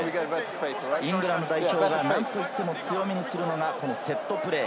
イングランド代表はなんといっても強みにするのがこのセットプレー。